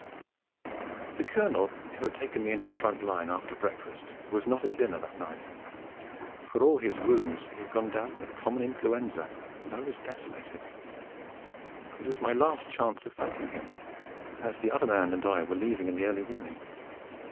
The Colonel who had taken me into the front line after breakfast was not at dinner that night; for all his wounds he had gone down with common influenza, and I was desolated. It was my last chance of thanking him, as the other man and I were leaving in the early morning.